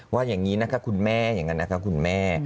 ว่าอย่างนี้นะคะคุณแม่อย่างนั้นนะคะคุณแม่